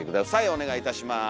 お願いいたします。